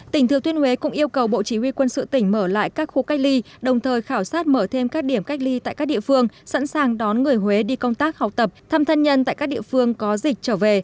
tỉnh thừa thiên huế cũng yêu cầu bộ chỉ huy quân sự tỉnh mở lại các khu cách ly đồng thời khảo sát mở thêm các điểm cách ly tại các địa phương sẵn sàng đón người huế đi công tác học tập thăm thân nhân tại các địa phương có dịch trở về